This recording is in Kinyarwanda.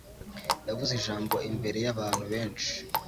Yavuze ijambo imbere y'abantu benshi.